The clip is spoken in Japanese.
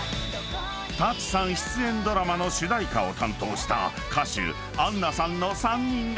［舘さん出演ドラマの主題歌を担当した歌手Ａｎｎａさんの３人が集結］